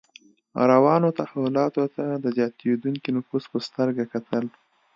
روانو تحولاتو ته د زیاتېدونکي نفوذ په سترګه کتل.